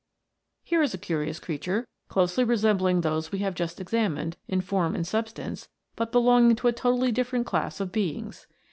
Here is a curious creature, closely resembling those we have just examined, in form and substance, but belonging to a totally different class of beings.